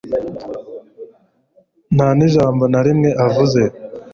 ntanijambo narimwe avuze